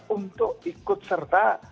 untuk ikut serta